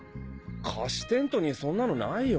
貸しテントにそんなのないよ。